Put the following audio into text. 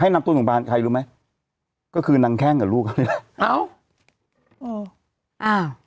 ให้นับต้นสงบานใครรู้ไหมก็คือนางแข้งกับลูกเขาเลยเอาอ่า